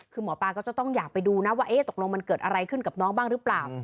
คือหมอปลาก็จะต้องอยากไปดูนะว่าตกลงมันเกิดอะไรขึ้นกับน้องบ้างหรือเปล่า